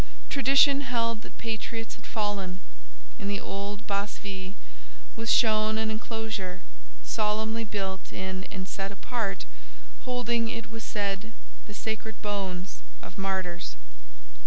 Tradition held that patriots had fallen: in the old Basse Ville was shown an enclosure, solemnly built in and set apart, holding, it was said, the sacred bones of martyrs.